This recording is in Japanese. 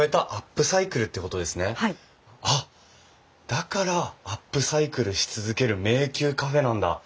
だから「アップサイクルし続ける迷宮カフェ」なんだ。